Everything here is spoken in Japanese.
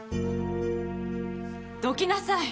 どきなさい。